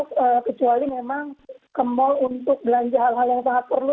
tapi memang kecuali memang ke mall untuk belanja hal hal yang sangat perlu